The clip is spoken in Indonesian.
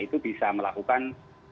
itu bisa melakukan